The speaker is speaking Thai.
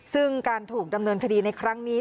ซึ่งการถูกดำเนินคดีในครั้งนี้